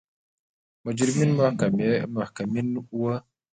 مجرمین محکومین وو.